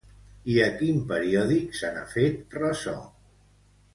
I a quin periòdic se n'ha fet ressò?